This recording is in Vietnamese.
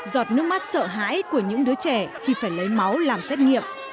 giọt nước mắt sợ hãi của những đứa trẻ khi phải lấy máu làm xét nghiệm